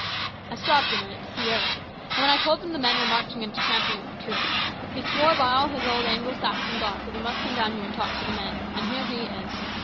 I stopped a minute to see Eric, and when I told him the men were marching into Champion with the troops, he swore by all his old Anglo Saxon gods that he must come down here and talk to the men. And here he is.